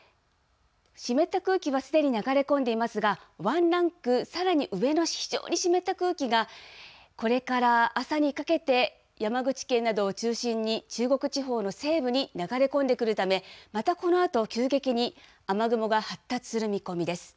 湿った空気はすでに流れ込んでいますが、ワンランク、さらに上非常に湿った空気が、これから朝にかけて、山口県などを中心に中国地方の西部に流れ込んでくるため、またこのあと、急激に雨雲が発達する見込みです。